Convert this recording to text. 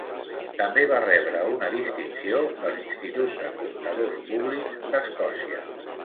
També va rebre una distinció de l'Institut de Comptadors Públics d'Escòcia.